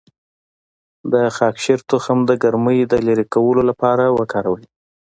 د خاکشیر تخم د ګرمۍ د لرې کولو لپاره وکاروئ